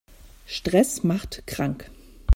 Stress macht krank.